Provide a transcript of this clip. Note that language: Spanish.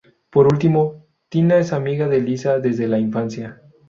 Por último, Tina es amiga de Lisa desde la infancia.